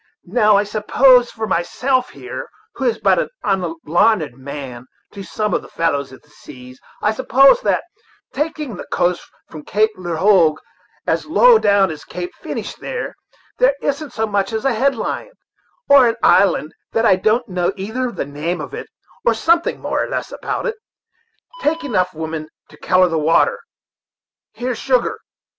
Now, I suppose, for myself here, who is but an unlarned man to some that follows the seas, I suppose that, taking the coast from Cape Ler Hogue as low down as Cape Finish there, there isn't so much as a headland, or an island, that I don't know either the name of it or something more or less about it. Take enough, woman, to color the water. Here's sugar.